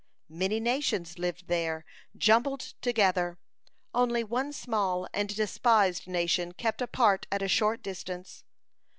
Many nations lived there jumbled together, only one small and despised nation kept apart at a short distance.